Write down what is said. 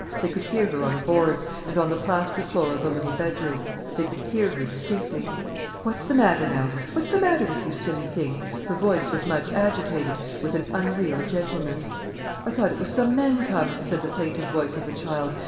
They could hear her on the boards, and on the plaster floor of the little bedroom. They could hear her distinctly: "What's the matter now?—what's the matter with you, silly thing?"—her voice was much agitated, with an unreal gentleness. "I thought it was some men come," said the plaintive voice of the child.